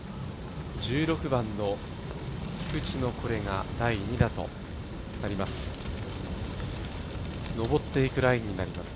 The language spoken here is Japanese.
１６番の菊地のこれが第２打となります。